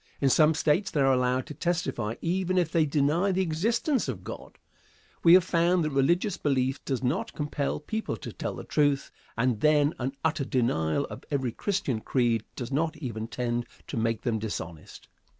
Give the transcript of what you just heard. In some States they are allowed to testify even if they deny the existence of God. We have found that religious belief does not compel people to tell the truth, and than an utter denial of every Christian creed does not even tend to make them dishonest.